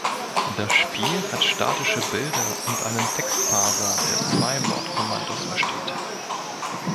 Das Spiel hat statische Bilder und einen Textparser, der Zwei-Wort-Kommandos versteht.